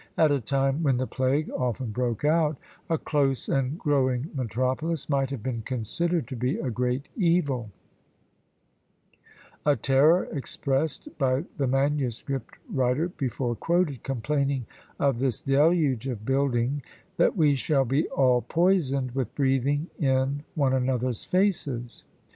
At a time when the plague often broke out, a close and growing metropolis might have been considered to be a great evil; a terror expressed by the manuscript writer before quoted, complaining of "this deluge of building, that we shall be all poisoned with breathing in one another's faces."